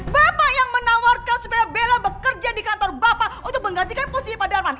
bapak yang menawarkan supaya bella bekerja di kantor bapak untuk menggantikan posisi pak darman